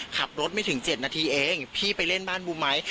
ขับรถไม่ถึง๗นาทีเองพี่ไปเล่นบ้านบูมไหม